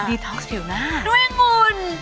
ด้วยอังุ่น